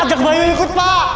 ajak bayu ikut pak